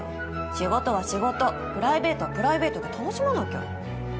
仕事は仕事プライベートはプライベートで楽しまなきゃ。